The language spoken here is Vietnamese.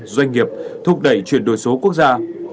doanh nghiệp thúc đẩy chuyển đổi số quốc gia